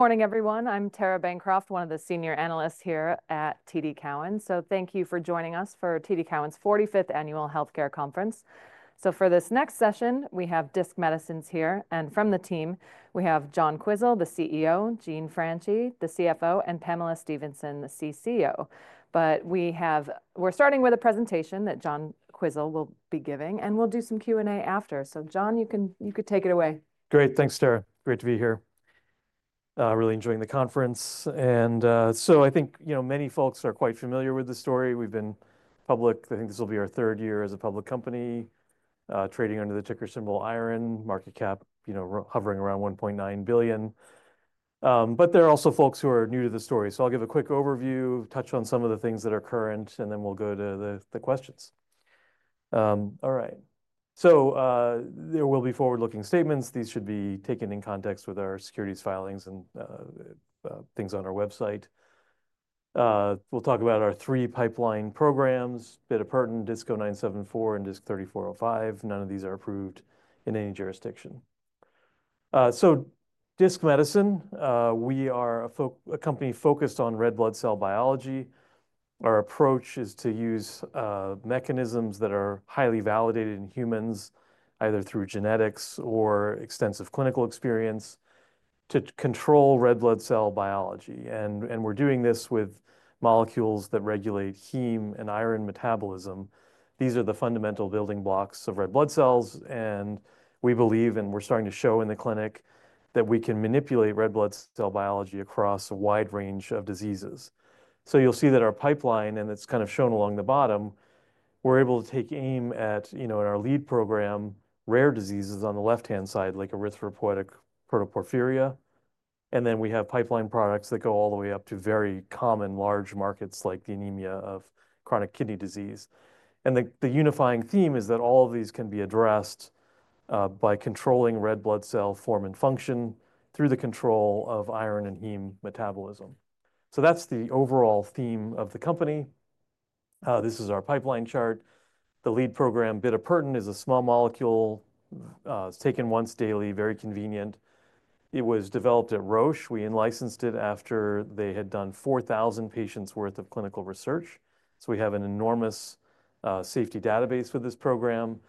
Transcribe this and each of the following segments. Morning, everyone. I'm Tara Bancroft, one of the senior analysts here at TD Cowen. Thank you for joining us for TD Cowen's 45th Annual Healthcare Conference. For this next session, we have Disc Medicine here, and from the team, we have John Quisel, the CEO, Jean Franchi, the CFO, and Pamela Stephenson, the CCO. We're starting with a presentation that John Quisel will be giving, and we'll do some Q&A after. John, you can take it away. Great. Thanks, Tara. Great to be here. Really enjoying the conference, and so I think, you know, many folks are quite familiar with the story. We've been public. I think this will be our third year as a public company, trading under the ticker symbol IRON, market cap, you know, hovering around $1.9 billion, but there are also folks who are new to the story, so I'll give a quick overview, touch on some of the things that are current, and then we'll go to the questions. All right, so there will be forward-looking statements. These should be taken in context with our securities filings and things on our website. We'll talk about our three pipeline programs: bitopertin, DISC-0974, and DISC-3405. None of these are approved in any jurisdiction, so Disc Medicine, we are a company focused on red blood cell biology. Our approach is to use mechanisms that are highly validated in humans, either through genetics or extensive clinical experience, to control red blood cell biology, and we're doing this with molecules that regulate heme and iron metabolism. These are the fundamental building blocks of red blood cells. And we believe, and we're starting to show in the clinic, that we can manipulate red blood cell biology across a wide range of diseases, so you'll see that our pipeline, and it's kind of shown along the bottom, we're able to take aim at, you know, in our lead program, rare diseases on the left-hand side, like erythropoietic protoporphyria, and then we have pipeline products that go all the way up to very common large markets, like the anemia of chronic kidney disease. The unifying theme is that all of these can be addressed by controlling red blood cell form and function through the control of iron and heme metabolism. That's the overall theme of the company. This is our pipeline chart. The lead program, bitopertin, is a small molecule. It's taken once daily, very convenient. It was developed at Roche. We licensed it after they had done 4,000 patients' worth of clinical research. We have an enormous safety database for this program.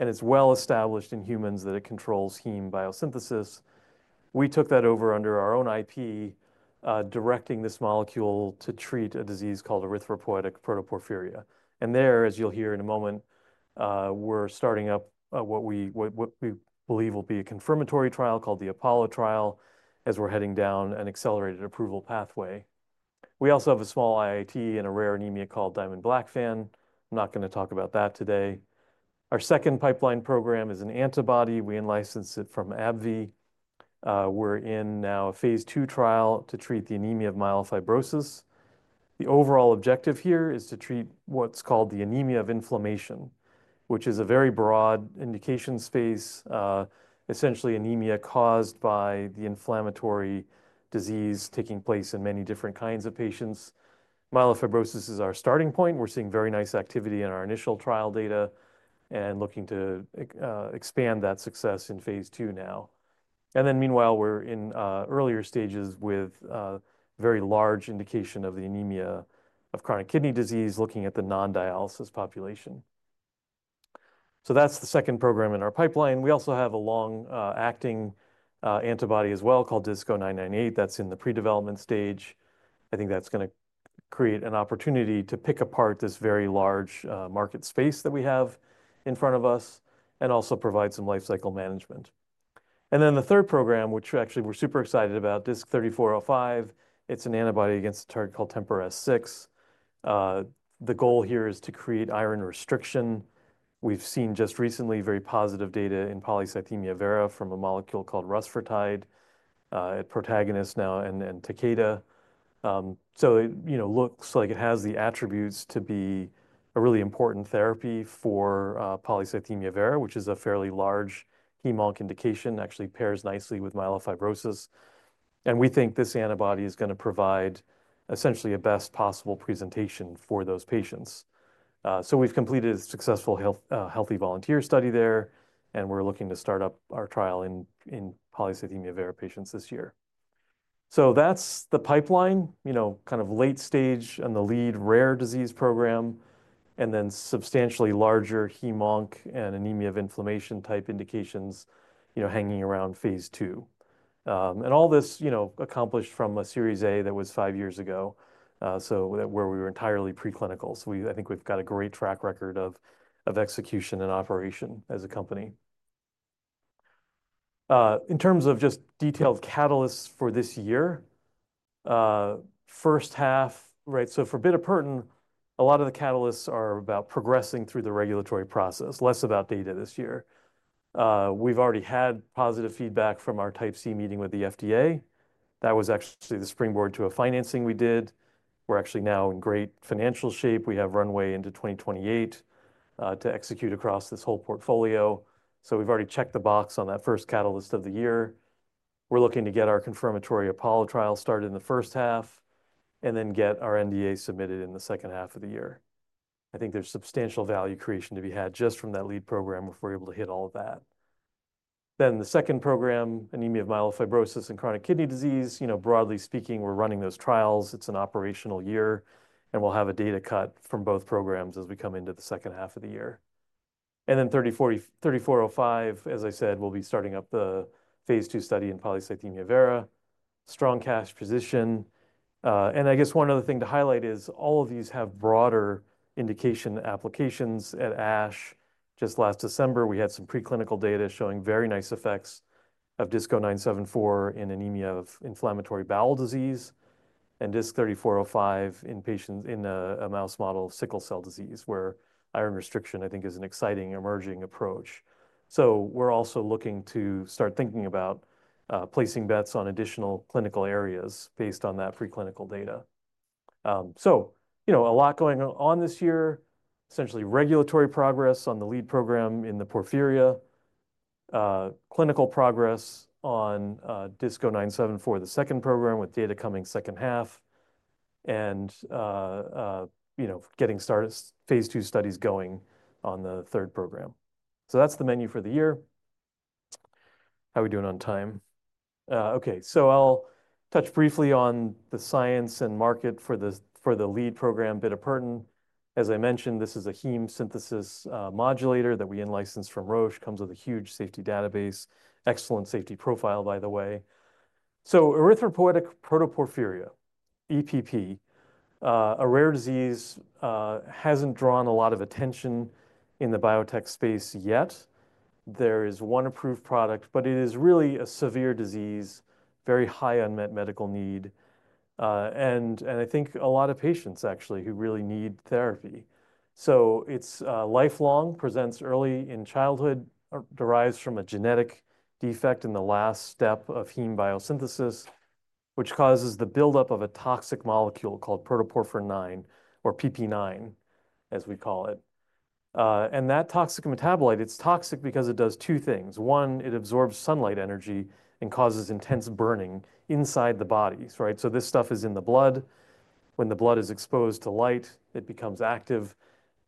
It's well established in humans that it controls heme biosynthesis. We took that over under our own IP, directing this molecule to treat a disease called erythropoietic protoporphyria. There, as you'll hear in a moment, we're starting up what we believe will be a confirmatory trial called the APOLLO trial, as we're heading down an accelerated approval pathway. We also have a small IIT and a rare anemia called Diamond-Blackfan. I'm not going to talk about that today. Our second pipeline program is an antibody. We license it from AbbVie. We're in now a phase II trial to treat the anemia of myelofibrosis. The overall objective here is to treat what's called the anemia of inflammation, which is a very broad indication space, essentially anemia caused by the inflammatory disease taking place in many different kinds of patients. Myelofibrosis is our starting point. We're seeing very nice activity in our initial trial data and looking to expand that success in phase II now. And then meanwhile, we're in earlier stages with very large indication of the anemia of chronic kidney disease, looking at the non-dialysis population. So that's the second program in our pipeline. We also have a long-acting antibody as well called DISC-0998. That's in the pre-development stage. I think that's going to create an opportunity to pick apart this very large market space that we have in front of us and also provide some lifecycle management. And then the third program, which actually we're super excited about, DISC-3405, it's an antibody against a target called TMPRSS6. The goal here is to create iron restriction. We've seen just recently very positive data in polycythemia vera from a molecule called rusfertide. It's Protagonist now and Takeda. So it, you know, looks like it has the attributes to be a really important therapy for polycythemia vera, which is a fairly large Heme-Onc indication, actually pairs nicely with myelofibrosis. And we think this antibody is going to provide essentially a best possible presentation for those patients. So we've completed a successful healthy volunteer study there, and we're looking to start up our trial in polycythemia vera patients this year. So that's the pipeline, you know, kind of late stage and the lead rare disease program, and then substantially larger Heme-Onc and anemia of inflammation type indications, you know, hanging around phase II. And all this, you know, accomplished from a Series A that was five years ago, so where we were entirely preclinical. So I think we've got a great track record of execution and operation as a company. In terms of just detailed catalysts for this year, first half, right? So for bitopertin, a lot of the catalysts are about progressing through the regulatory process, less about data this year. We've already had positive feedback from our Type C meeting with the FDA. That was actually the springboard to a financing we did. We're actually now in great financial shape. We have runway into 2028 to execute across this whole portfolio. So we've already checked the box on that first catalyst of the year. We're looking to get our confirmatory APOLLO trial started in the first half and then get our NDA submitted in the second half of the year. I think there's substantial value creation to be had just from that lead program if we're able to hit all of that. Then the second program, anemia of myelofibrosis and chronic kidney disease, you know, broadly speaking, we're running those trials. It's an operational year, and we'll have a data cut from both programs as we come into the second half of the year. And then 3405, as I said, we'll be starting up the phase II study in polycythemia vera. Strong cash position. And I guess one other thing to highlight is all of these have broader indication applications at ASH. Just last December, we had some preclinical data showing very nice effects of DISC-0974 in anemia of inflammatory bowel disease and DISC-3405 in patients in a mouse model of sickle cell disease, where iron restriction, I think, is an exciting emerging approach. So we're also looking to start thinking about placing bets on additional clinical areas based on that preclinical data. So, you know, a lot going on this year, essentially regulatory progress on the lead program in the porphyria, clinical progress on DISC-0974, the second program with data coming second half, and, you know, getting started phase II studies going on the third program. So that's the menu for the year. How are we doing on time? Okay, so I'll touch briefly on the science and market for the lead program, bitopertin. As I mentioned, this is a heme synthesis modulator that we licensed from Roche. It comes with a huge safety database, excellent safety profile, by the way. So erythropoietic protoporphyria, EPP, a rare disease hasn't drawn a lot of attention in the biotech space yet. There is one approved product, but it is really a severe disease, very high unmet medical need. And I think a lot of patients actually who really need therapy. So it's lifelong, presents early in childhood, derives from a genetic defect in the last step of heme biosynthesis, which causes the buildup of a toxic molecule called protoporphyrin IX, or PPIX, as we call it. And that toxic metabolite, it's toxic because it does two things. One, it absorbs sunlight energy and causes intense burning inside the bodies, right? This stuff is in the blood. When the blood is exposed to light, it becomes active,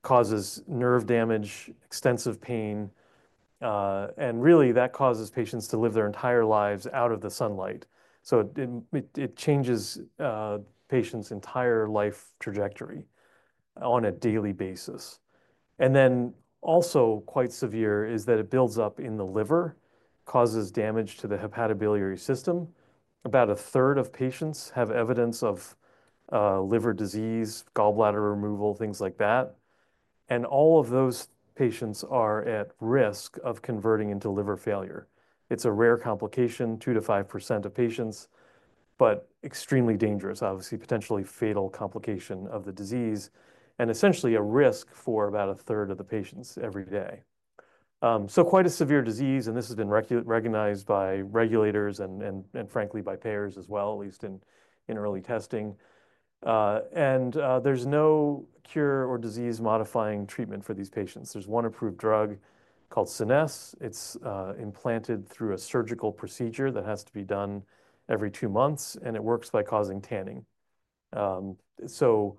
causes nerve damage, extensive pain. Really, that causes patients to live their entire lives out of the sunlight. It changes patients' entire life trajectory on a daily basis. Then also quite severe is that it builds up in the liver, causes damage to the hepatobiliary system. About a third of patients have evidence of liver disease, gallbladder removal, things like that. All of those patients are at risk of converting into liver failure. It's a rare complication, 2%-5% of patients, but extremely dangerous, obviously potentially fatal complication of the disease and essentially a risk for about a third of the patients every day. Quite a severe disease, and this has been recognized by regulators and, frankly, by payers as well, at least in early testing. There's no cure or disease-modifying treatment for these patients. There's one approved drug called Scenesse. It's implanted through a surgical procedure that has to be done every two months, and it works by causing tanning. So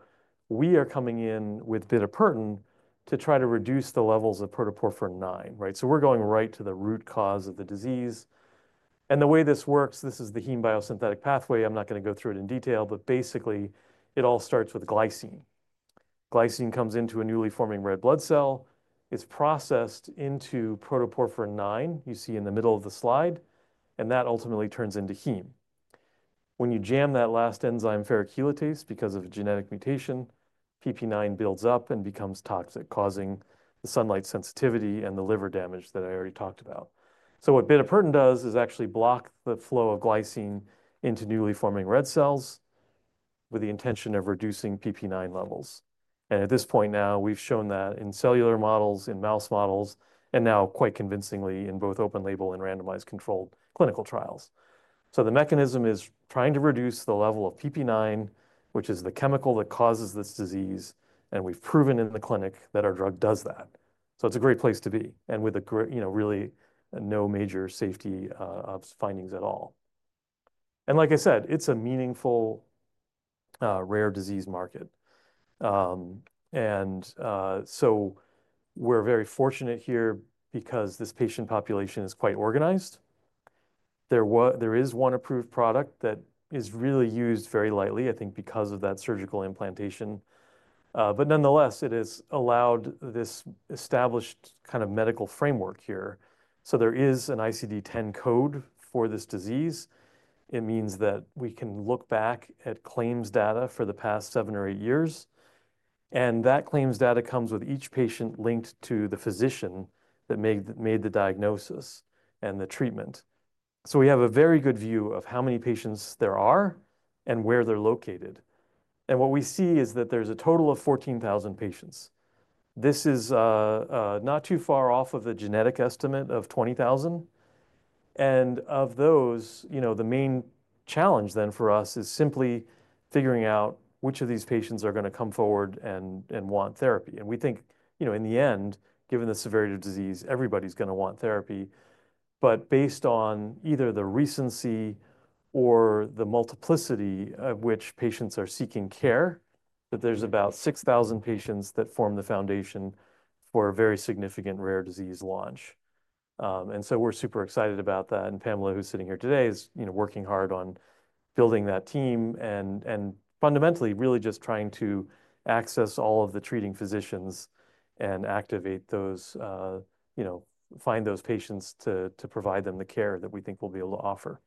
we are coming in with bitopertin to try to reduce the levels of protoporphyrin IX, right? So we're going right to the root cause of the disease. And the way this works, this is the heme biosynthetic pathway. I'm not going to go through it in detail, but basically, it all starts with glycine. Glycine comes into a newly forming red blood cell. It's processed into protoporphyrin IX, you see in the middle of the slide, and that ultimately turns into heme. When you jam that last enzyme, ferrochelatase, because of a genetic mutation, PPIX builds up and becomes toxic, causing the sunlight sensitivity and the liver damage that I already talked about. So what bitopertin does is actually block the flow of glycine into newly forming red cells with the intention of reducing PPIX levels. And at this point now, we've shown that in cellular models, in mouse models, and now quite convincingly in both open-label and randomized controlled clinical trials. So the mechanism is trying to reduce the level of PPIX, which is the chemical that causes this disease, and we've proven in the clinic that our drug does that. So it's a great place to be, and with a, you know, really no major safety findings at all. And like I said, it's a meaningful rare disease market. And so we're very fortunate here because this patient population is quite organized. There is one approved product that is really used very lightly, I think, because of that surgical implantation. But nonetheless, it has allowed this established kind of medical framework here. So there is an ICD-10 code for this disease. It means that we can look back at claims data for the past seven or eight years. And that claims data comes with each patient linked to the physician that made the diagnosis and the treatment. So we have a very good view of how many patients there are and where they're located. And what we see is that there's a total of 14,000 patients. This is not too far off of the genetic estimate of 20,000. And of those, you know, the main challenge then for us is simply figuring out which of these patients are going to come forward and want therapy. And we think, you know, in the end, given the severity of disease, everybody's going to want therapy. Based on either the recency or the multiplicity of which patients are seeking care, that there's about 6,000 patients that form the foundation for a very significant rare disease launch. We're super excited about that. Pamela, who's sitting here today, is, you know, working hard on building that team and fundamentally really just trying to access all of the treating physicians and activate those, you know, find those patients to provide them the care that we think we'll be able to offer.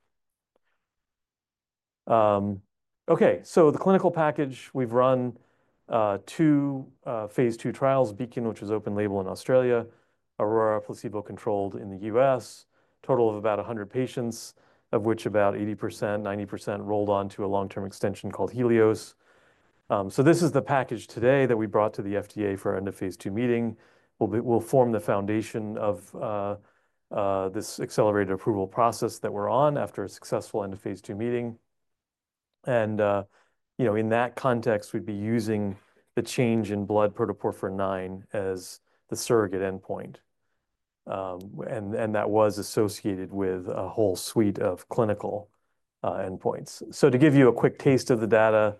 Okay, the clinical package, we've run two phase II trials, BEACON, which was open label in Australia, AURORA placebo-controlled in the U.S., total of about 100 patients, of which about 80%-90% rolled on to a long-term extension called HELIOS. This is the package today that we brought to the FDA for our end of phase II meeting. We'll form the foundation of this accelerated approval process that we're on after a successful end of phase II meeting. And, you know, in that context, we'd be using the change in blood protoporphyrin IX as the surrogate endpoint. And that was associated with a whole suite of clinical endpoints. So to give you a quick taste of the data,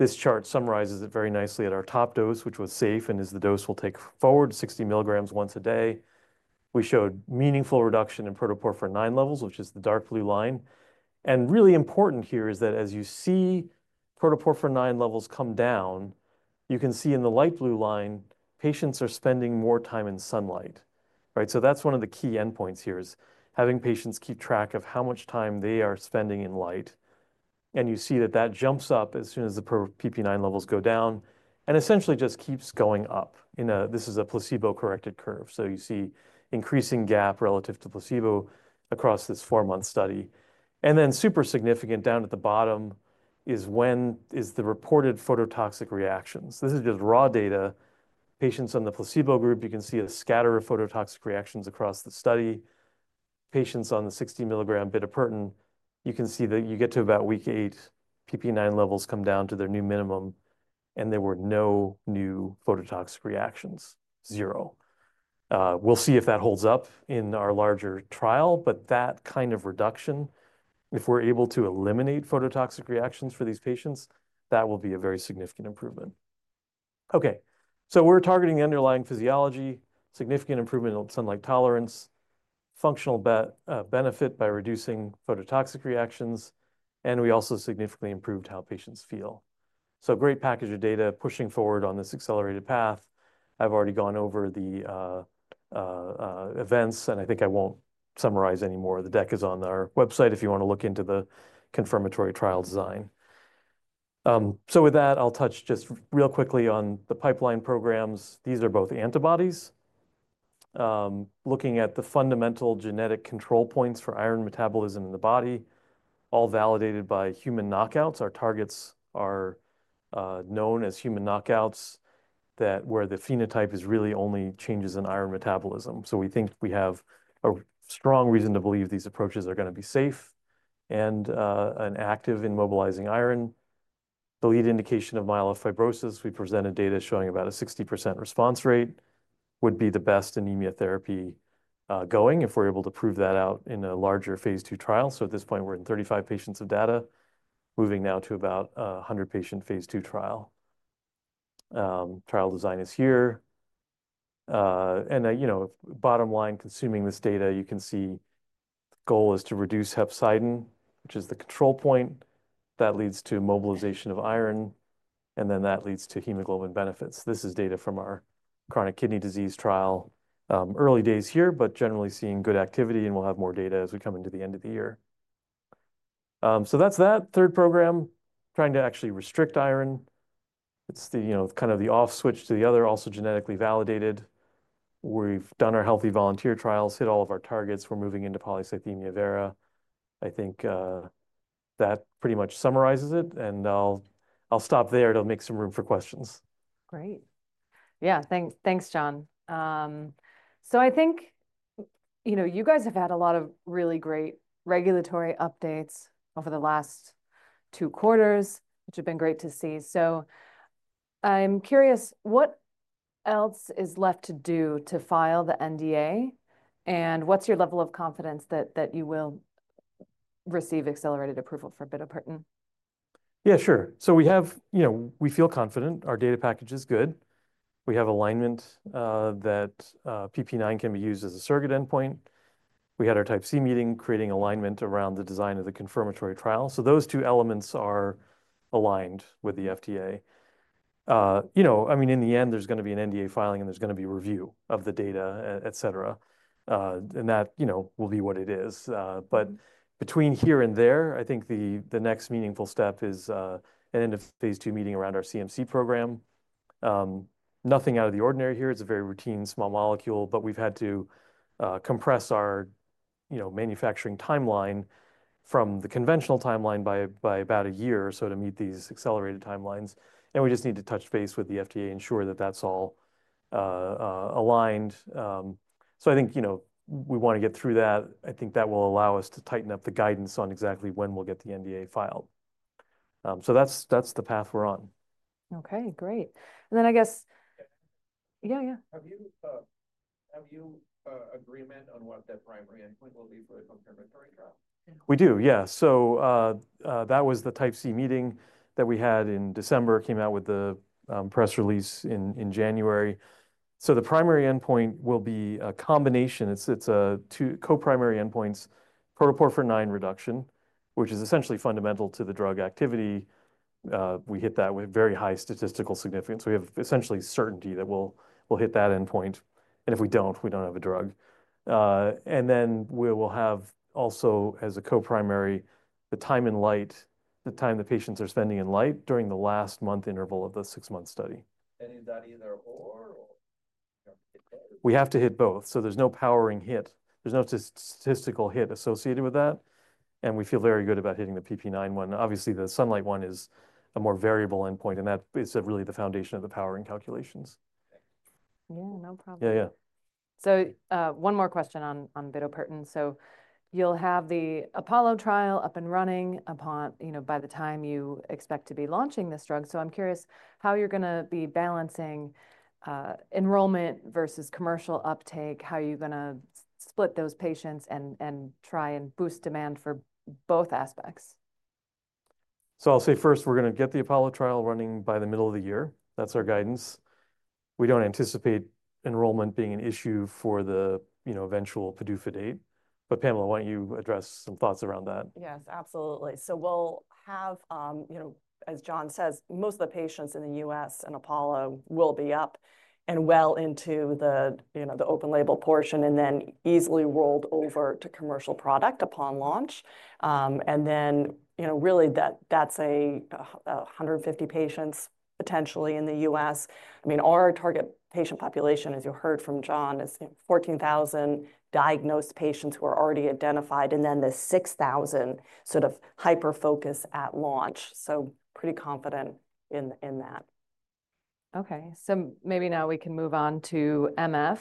this chart summarizes it very nicely at our top dose, which was safe and is the dose we'll take forward, 60 mg once a day. We showed meaningful reduction in protoporphyrin IX levels, which is the dark blue line. And really important here is that as you see protoporphyrin IX levels come down, you can see in the light blue line, patients are spending more time in sunlight, right? So that's one of the key endpoints here is having patients keep track of how much time they are spending in light. And you see that that jumps up as soon as the PPIX levels go down and essentially just keeps going up. This is a placebo-corrected curve, so you see increasing gap relative to placebo across this four-month study, and then super significant down at the bottom is the reported phototoxic reactions. This is just raw data. Patients on the placebo group, you can see a scatter of phototoxic reactions across the study. Patients on the 60 mg bitopertin, you can see that you get to about week eight, PPIX levels come down to their new minimum, and there were no new phototoxic reactions, zero. We'll see if that holds up in our larger trial, but that kind of reduction, if we're able to eliminate phototoxic reactions for these patients, that will be a very significant improvement. Okay, so we're targeting the underlying physiology, significant improvement in sunlight tolerance, functional benefit by reducing phototoxic reactions, and we also significantly improved how patients feel. So great package of data pushing forward on this accelerated path. I've already gone over the events, and I think I won't summarize anymore. The deck is on our website if you want to look into the confirmatory trial design. So with that, I'll touch just real quickly on the pipeline programs. These are both antibodies. Looking at the fundamental genetic control points for iron metabolism in the body, all validated by human knockouts. Our targets are known as human knockouts where the phenotype is really only changes in iron metabolism. So we think we have a strong reason to believe these approaches are going to be safe and active in mobilizing iron. The lead indication of myelofibrosis, we presented data showing about a 60% response rate, would be the best anemia therapy going if we're able to prove that out in a larger phase II trial. So at this point, we're in 35 patients of data, moving now to about a 100-patient phase II trial. Trial design is here. And, you know, bottom line, consuming this data, you can see the goal is to reduce hepcidin, which is the control point that leads to mobilization of iron, and then that leads to hemoglobin benefits. This is data from our chronic kidney disease trial, early days here, but generally seeing good activity, and we'll have more data as we come into the end of the year. So that's that third program, trying to actually restrict iron. It's the, you know, kind of the off switch to the other also genetically validated. We've done our healthy volunteer trials, hit all of our targets. We're moving into polycythemia vera. I think that pretty much summarizes it, and I'll stop there to make some room for questions. Great. Yeah, thanks, John. So I think, you know, you guys have had a lot of really great regulatory updates over the last two quarters, which have been great to see. So I'm curious, what else is left to do to file the NDA? And what's your level of confidence that you will receive accelerated approval for bitopertin? Yeah, sure. So we have, you know, we feel confident our data package is good. We have alignment that PPIX can be used as a surrogate endpoint. We had our Type C meeting creating alignment around the design of the confirmatory trial. So those two elements are aligned with the FDA. You know, I mean, in the end, there's going to be an NDA filing and there's going to be review of the data, et cetera. And that, you know, will be what it is. But between here and there, I think the next meaningful step is an end of phase II meeting around our CMC program. Nothing out of the ordinary here. It's a very routine small molecule, but we've had to compress our, you know, manufacturing timeline from the conventional timeline by about a year or so to meet these accelerated timelines. And we just need to touch base with the FDA, ensure that that's all aligned. So I think, you know, we want to get through that. I think that will allow us to tighten up the guidance on exactly when we'll get the NDA filed. So that's the path we're on. Okay, great. And then I guess, yeah, yeah. Have you agreement on what the primary endpoint will be for the confirmatory trial? We do, yeah. So that was the Type C meeting that we had in December, came out with the press release in January. So the primary endpoint will be a combination. It's a co-primary endpoints, protoporphyrin IX reduction, which is essentially fundamental to the drug activity. We hit that with very high statistical significance. We have essentially certainty that we'll hit that endpoint. And if we don't, we don't have a drug. And then we will have also, as a co-primary, the time in light, the time the patients are spending in light during the last month interval of the six-month study. And is that either or? We have to hit both. So there's no powering hit. There's no statistical hit associated with that. We feel very good about hitting the PPIX one. Obviously, the sunlight one is a more variable endpoint, and that is really the foundation of the powering calculations. Yeah, no problem. Yeah, yeah. One more question on bitopertin. You'll have the APOLLO trial up and running upon, you know, by the time you expect to be launching this drug. I'm curious how you're going to be balancing enrollment versus commercial uptake, how you're going to split those patients and try and boost demand for both aspects. I'll say first, we're going to get the APOLLO trial running by the middle of the year. That's our guidance. We don't anticipate enrollment being an issue for the, you know, eventual PDUFA date. But Pamela, why don't you address some thoughts around that? Yes, absolutely. So we'll have, you know, as John says, most of the patients in the U.S. and APOLLO will be up and well into the, you know, the open label portion and then easily rolled over to commercial product upon launch. And then, you know, really that's 150 patients potentially in the U.S.. I mean, our target patient population, as you heard from John, is 14,000 diagnosed patients who are already identified and then the 6,000 sort of hyper-focus at launch. So pretty confident in that. Okay, so maybe now we can move on to MF.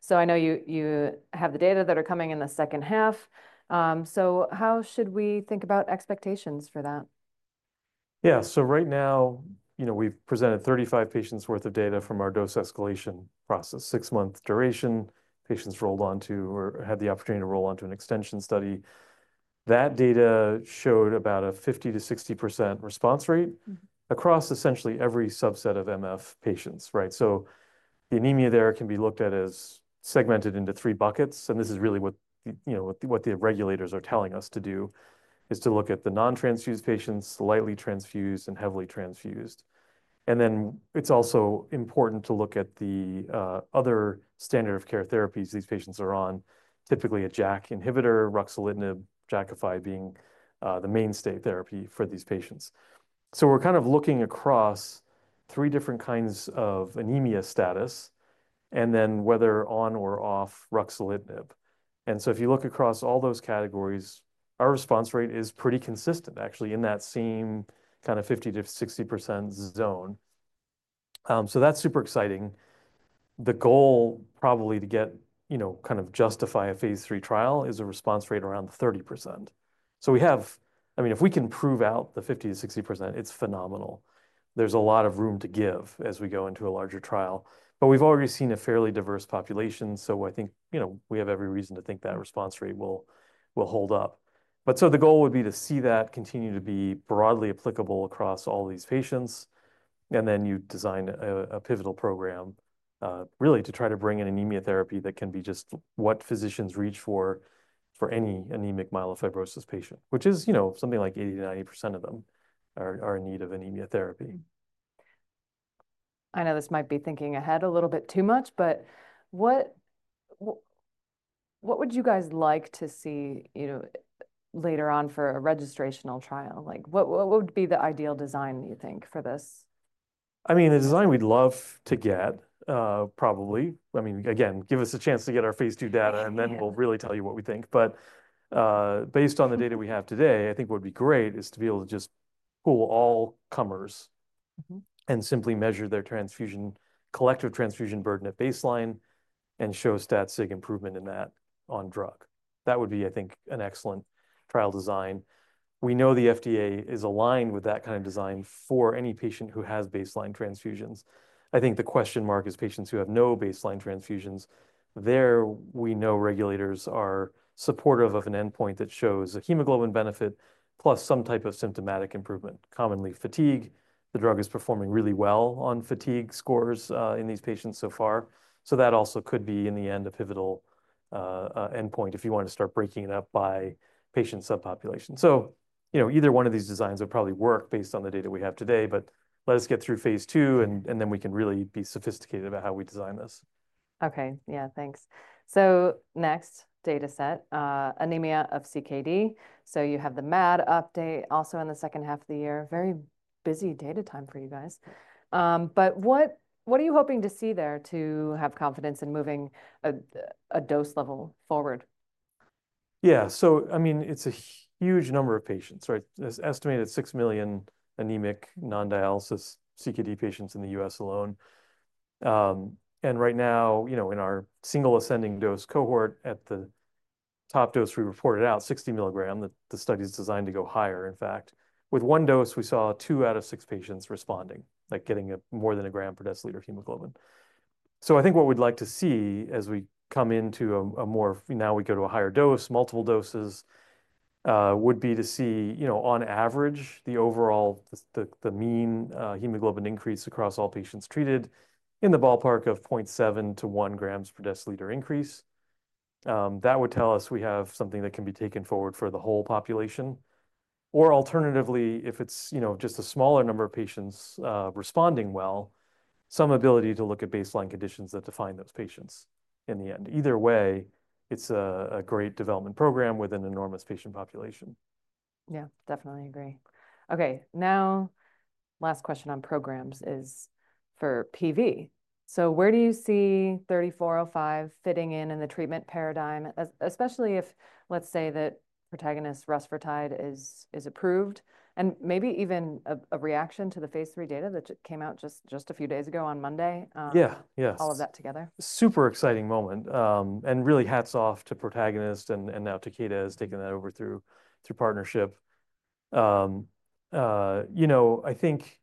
So I know you have the data that are coming in the second half. So how should we think about expectations for that? Yeah, so right now, you know, we've presented 35 patients' worth of data from our dose escalation process, six-month duration, patients rolled onto or had the opportunity to roll onto an extension study. That data showed about a 50%-60% response rate across essentially every subset of MF patients, right? So the anemia there can be looked at as segmented into three buckets. And this is really what, you know, what the regulators are telling us to do is to look at the non-transfused patients, the lightly transfused and heavily transfused. And then it's also important to look at the other standard of care therapies these patients are on, typically a JAK inhibitor, ruxolitinib, Jakafi being the mainstay therapy for these patients. So we're kind of looking across three different kinds of anemia status and then whether on or off ruxolitinib. If you look across all those categories, our response rate is pretty consistent, actually, in that same kind of 50%-60% zone. That's super exciting. The goal probably to get, you know, kind of justify a phase III trial is a response rate around 30%. We have, I mean, if we can prove out the 50%-60%, it's phenomenal. There's a lot of room to give as we go into a larger trial. We've already seen a fairly diverse population. I think, you know, we have every reason to think that response rate will hold up. The goal would be to see that continue to be broadly applicable across all these patients. And then you design a pivotal program, really, to try to bring in anemia therapy that can be just what physicians reach for for any anemic myelofibrosis patient, which is, you know, something like 80%-90% of them are in need of anemia therapy. I know this might be thinking ahead a little bit too much, but what would you guys like to see, you know, later on for a registrational trial? Like what would be the ideal design, you think, for this? I mean, the design we'd love to get, probably. I mean, again, give us a chance to get our phase II data and then we'll really tell you what we think. But based on the data we have today, I think what would be great is to be able to just pull all comers and simply measure their transfusion, collective transfusion burden at baseline and show stat-sig improvement in that on drug. That would be, I think, an excellent trial design. We know the FDA is aligned with that kind of design for any patient who has baseline transfusions. I think the question mark is patients who have no baseline transfusions. There, we know regulators are supportive of an endpoint that shows a hemoglobin benefit plus some type of symptomatic improvement, commonly fatigue. The drug is performing really well on fatigue scores in these patients so far. So that also could be, in the end, a pivotal endpoint if you want to start breaking it up by patient subpopulation. So, you know, either one of these designs would probably work based on the data we have today, but let us get through phase II and then we can really be sophisticated about how we design this. Okay, yeah, thanks. So next data set, anemia of CKD. So you have the MAD update also in the second half of the year. Very busy data time for you guys. But what are you hoping to see there to have confidence in moving a dose level forward? Yeah, so I mean, it's a huge number of patients, right? Estimated six million anemic non-dialysis CKD patients in the U.S. alone, and right now, you know, in our single ascending dose cohort at the top dose we reported out, 60 mg, the study is designed to go higher, in fact. With one dose, we saw two out of six patients responding, like getting more than a gram per deciliter of hemoglobin. So I think what we'd like to see as we come into a more, now we go to a higher dose, multiple doses, would be to see, you know, on average, the overall, the mean hemoglobin increase across all patients treated in the ballpark of 0.7 g-1 g per deciliter increase. That would tell us we have something that can be taken forward for the whole population. Or alternatively, if it's, you know, just a smaller number of patients responding well, some ability to look at baseline conditions that define those patients in the end. Either way, it's a great development program with an enormous patient population. Yeah, definitely agree. Okay, now last question on programs is for PV. So where do you see 3405 fitting in in the treatment paradigm, especially if, let's say, that Protagonist rusfertide is approved and maybe even a reaction to the phase III data that came out just a few days ago on Monday? Yeah, yes. All of that together. Super exciting moment. And really hats off to Protagonist and now Takeda is taking that over through partnership. You know, I think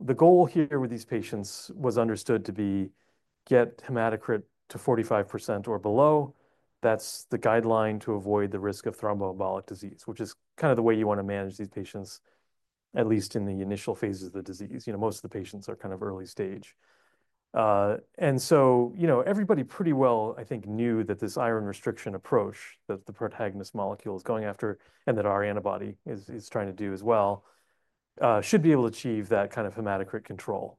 the goal here with these patients was understood to be get hematocrit to 45% or below. That's the guideline to avoid the risk of thromboembolic disease, which is kind of the way you want to manage these patients, at least in the initial phases of the disease. You know, most of the patients are kind of early stage. And so, you know, everybody pretty well, I think, knew that this iron restriction approach that the Protagonist molecule is going after and that our antibody is trying to do as well should be able to achieve that kind of hematocrit control.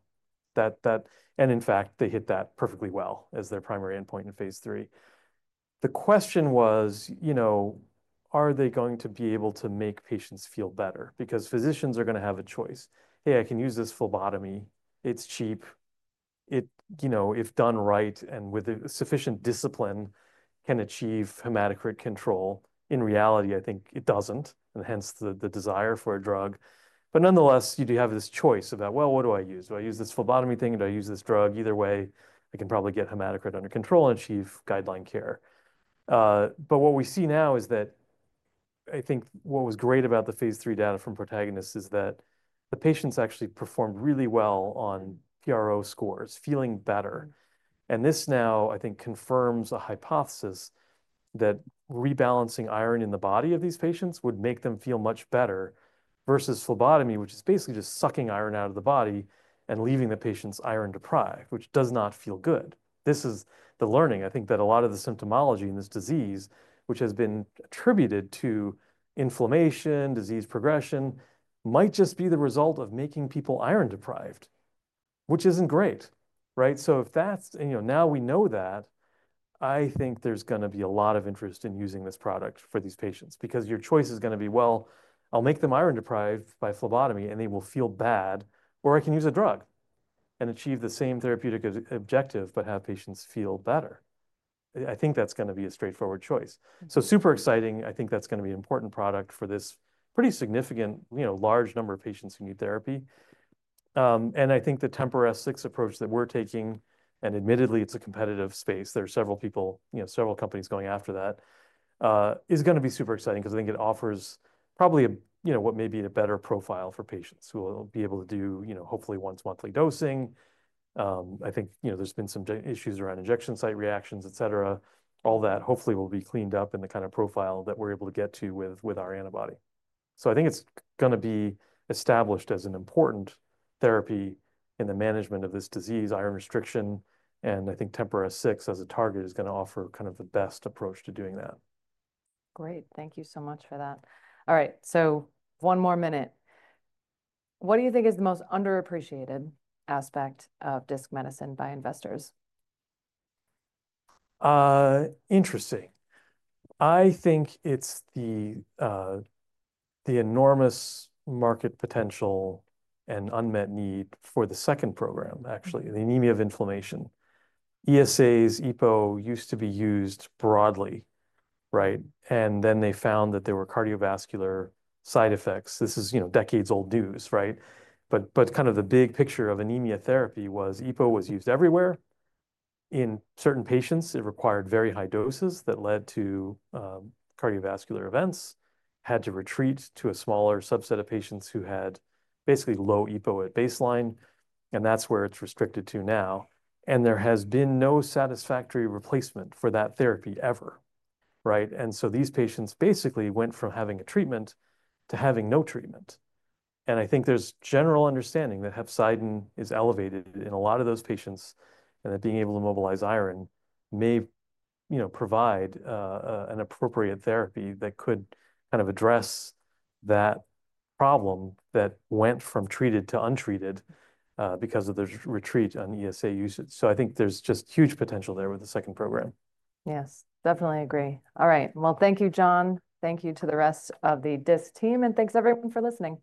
And in fact, they hit that perfectly well as their primary endpoint in phase III. The question was, you know, are they going to be able to make patients feel better? Because physicians are going to have a choice. Hey, I can use this phlebotomy. It's cheap. It, you know, if done right and with sufficient discipline, can achieve hematocrit control. In reality, I think it doesn't, and hence the desire for a drug. But nonetheless, you do have this choice about, well, what do I use? Do I use this phlebotomy thing? Do I use this drug? Either way, I can probably get hematocrit under control and achieve guideline care. But what we see now is that I think what was great about the phase III data from Protagonist is that the patients actually performed really well on PRO scores, feeling better. And this now, I think, confirms a hypothesis that rebalancing iron in the body of these patients would make them feel much better versus phlebotomy, which is basically just sucking iron out of the body and leaving the patient's iron deprived, which does not feel good. This is the learning, I think, that a lot of the symptomology in this disease, which has been attributed to inflammation, disease progression, might just be the result of making people iron deprived, which isn't great, right? So if that's, you know, now we know that, I think there's going to be a lot of interest in using this product for these patients because your choice is going to be, well, I'll make them iron deprived by phlebotomy and they will feel bad, or I can use a drug and achieve the same therapeutic objective, but have patients feel better. I think that's going to be a straightforward choice. So super exciting. I think that's going to be an important product for this pretty significant, you know, large number of patients who need therapy. And I think the TMPRSS6 approach that we're taking, and admittedly, it's a competitive space. There are several people, you know, several companies going after that, is going to be super exciting because I think it offers probably a, you know, what may be a better profile for patients who will be able to do, you know, hopefully once monthly dosing. I think, you know, there's been some issues around injection site reactions, et cetera. All that hopefully will be cleaned up in the kind of profile that we're able to get to with our antibody. So I think it's going to be established as an important therapy in the management of this disease, iron restriction. And I think TMPRSS6 as a target is going to offer kind of the best approach to doing that. Great. Thank you so much for that. All right. So one more minute. What do you think is the most underappreciated aspect of Disc Medicine by investors? Interesting. I think it's the enormous market potential and unmet need for the second program, actually, the anemia of inflammation. ESAs, EPO used to be used broadly, right? And then they found that there were cardiovascular side effects. This is, you know, decades old news, right? But kind of the big picture of anemia therapy was EPO was used everywhere. In certain patients, it required very high doses that led to cardiovascular events, had to retreat to a smaller subset of patients who had basically low EPO at baseline. And that's where it's restricted to now. And there has been no satisfactory replacement for that therapy ever, right? And so these patients basically went from having a treatment to having no treatment. And I think there's general understanding that hepcidin is elevated in a lot of those patients and that being able to mobilize iron may, you know, provide an appropriate therapy that could kind of address that problem that went from treated to untreated because of the retreat on ESA usage. So I think there's just huge potential there with the second program. Yes, definitely agree. All right. Well, thank you, John. Thank you to the rest of the Disc team. And thanks, everyone, for listening.